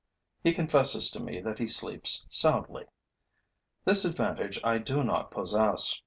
He confesses to me that he sleeps soundly. This advantage I do not possess.